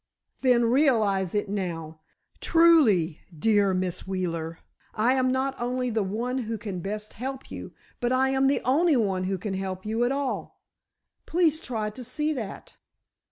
"Then realize it now. Truly, dear Miss Wheeler, I am not only the one who can best help you, but I am the only one who can help you at all—please try to see that."